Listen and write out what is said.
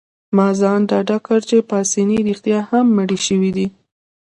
ما ځان ډاډه کړ چي پاسیني رښتیا هم مړی شوی دی.